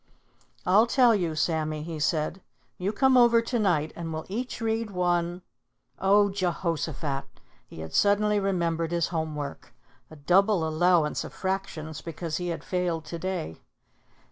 "I'll tell you, Sammy," he said. "You come over to night, and we'll each read one oh Jehoshaphat!" He had suddenly remembered his home work, a double allowance of fractions because he had failed to day.